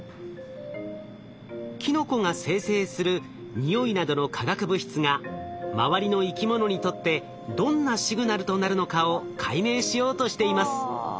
キノコが生成する匂いなどの化学物質が周りの生き物にとってどんなシグナルとなるのかを解明しようとしています。